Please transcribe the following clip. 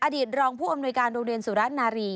อดีตรองผู้อำนวยการโรงเรียนสุรนารี